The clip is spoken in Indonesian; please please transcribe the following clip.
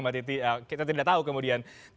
mbak titi kita tidak tahu kemudian